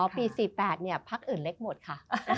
ปี๔๘พักอื่นเล็กหมดค่ะ